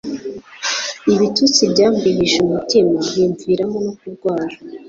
Ibitutsi byambihije umutima bimviramo no kurwara